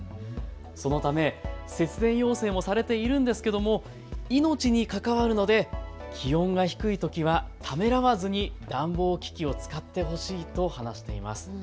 そのため節電要請もされているんですけれど命に関わるので気温が低いときはためらわずに暖房機器を使ってほしいと話しています。